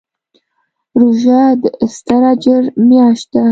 روژه د ستر اجر میاشت ده.